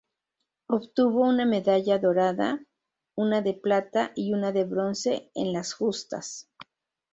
Obtuvo una medalla dorada, una de plata y una de bronce en las justas.